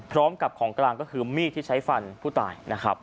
พร้อมกับของกลางก็คือมีธรรมพูดตาย